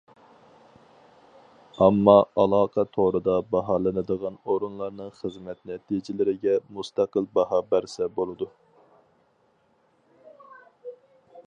ئامما ئالاقە تورىدا باھالىنىدىغان ئورۇنلارنىڭ خىزمەت نەتىجىلىرىگە مۇستەقىل باھا بەرسە بولىدۇ.